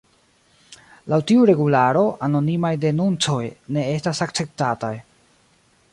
Laŭ tiu regularo, anonimaj denuncoj ne estas akceptataj.